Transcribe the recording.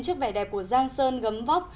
trước vẻ đẹp của giang sơn gấm vóc